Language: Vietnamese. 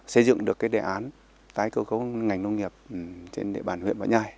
xây dựng được cái đề án tái cơ cấu ngành nông nghiệp trên địa bàn huyện võ nhai